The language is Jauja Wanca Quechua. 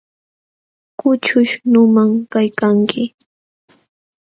Kućhuśh nunam kaykanki.